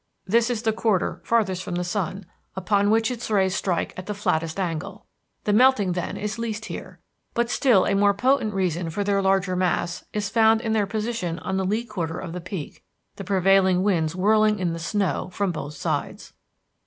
This is the quarter farthest from the sun, upon which its rays strike at the flattest angle. The melting then is least here. But still a more potent reason for their larger mass is found in their position on the lee quarter of the peak, the prevailing winds whirling in the snow from both sides.